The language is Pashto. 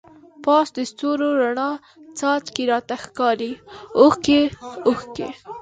پاس د ستورو راڼه څاڅکی، راته ښکاری اوښکی اوښکی